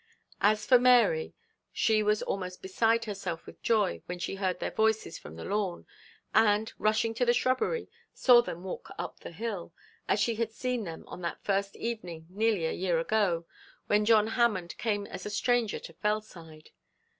As for Mary, she was almost beside herself with joy when she heard their voices from the lawn, and, rushing to the shrubbery, saw them walk up the hill, as she had seen them on that first evening nearly a year ago, when John Hammond came as a stranger to Fellside.